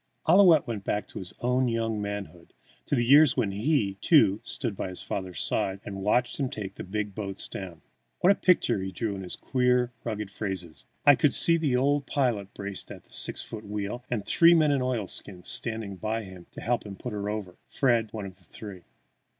Ouillette went back to his own young manhood, to the years when he, too, stood by his father's side and watched him take the big boats down. What a picture he drew in his queer, rugged phrases! I could see the old pilot braced at the six foot wheel, with three men in oilskins standing by to help him put her over, Fred one of the three.